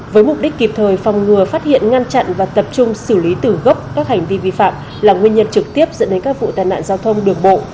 với mục đích kịp thời phòng ngừa phát hiện ngăn chặn và tập trung xử lý tử gốc các hành vi vi phạm là nguyên nhân trực tiếp dẫn đến các vụ tai nạn giao thông đường bộ